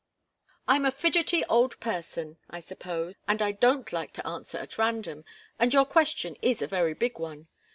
I'm a fidgety old person, I suppose, and I don't like to answer at random, and your question is a very big one.